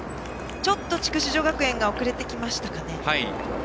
ちょっと筑紫女学園が遅れてきましたかね。